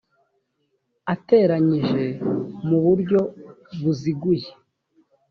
ateranyije mu buryo buziguye